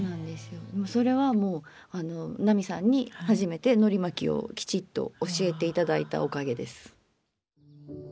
それはもう奈美さんに初めてのり巻きをきちっと教えて頂いたおかげです。